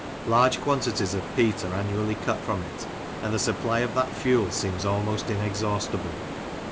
Large quantities of peat are annually cut from it, and the supply of that fuel seems almost inex haustible.